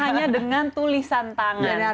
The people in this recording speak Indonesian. hanya dengan tulisan tangan